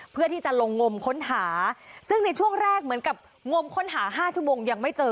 เพื่อที่จะลงงมค้นหาซึ่งในช่วงแรกเหมือนกับงมค้นหา๕ชั่วโมงยังไม่เจอ